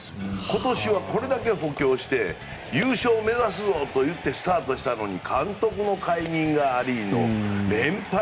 今年はこれだけ補強して優勝目指すぞ！と言ってスタートしたのに監督の解任がありの連敗